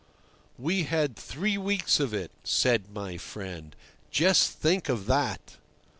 "We had three weeks of it," said my friend, "just think of that!"